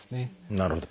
なるほど。